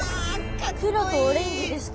黒とオレンジですか？